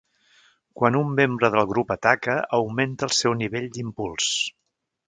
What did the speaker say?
Quan un membre del grup ataca, augmenta el seu "nivell d'impuls".